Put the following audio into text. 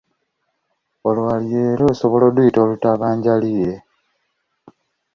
Olwaliiro era osobola okuluyita olutabanjaliire.